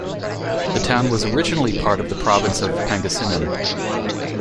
The town was originally part of the province of Pangasinan.